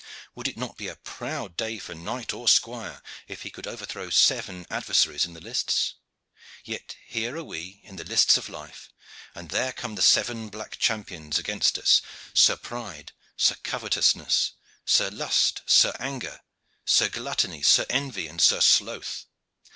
Would it not be a proud day for knight or squire if he could overthrow seven adversaries in the lists? Yet here are we in the lists of life, and there come the seven black champions against us Sir Pride, Sir Covetousness, Sir Lust, Sir Anger, Sir Gluttony, Sir Envy, and Sir Sloth.